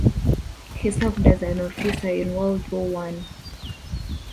He served as an officer in World War One.